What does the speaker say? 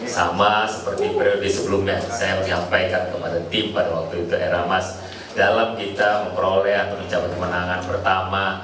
sama seperti periode sebelumnya saya menyampaikan kepada tim pada waktu itu era mas dalam kita memperoleh atau ucapan kemenangan pertama